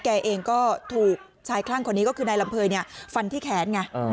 แกเองก็ถูกชายคลั่งคนนี้ก็คือนายลำเภยฟันที่แขนไง